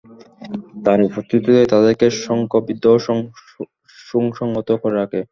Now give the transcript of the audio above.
তার উপস্থিতিই তাদেরকে সংঘবদ্ধ ও সুসংহত করে রাখে।